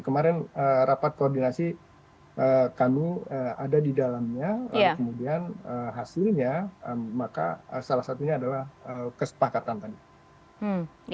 kemarin rapat koordinasi kami ada di dalamnya lalu kemudian hasilnya maka salah satunya adalah kesepakatan tadi